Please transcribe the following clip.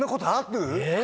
えっ⁉